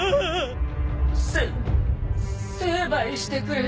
せ成敗してくれる。